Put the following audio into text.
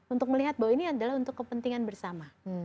untuk melihat bahwa ini adalah untuk kepentingan bersama